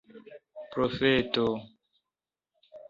profeto